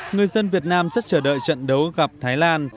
người dân việt nam rất chờ đợi trận đấu gặp thái lan